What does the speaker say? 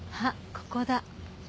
ここだ。